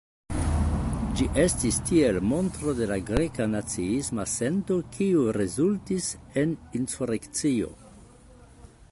Ĝi estis tiel montro de la greka naciisma sento kiu rezultis en insurekcio.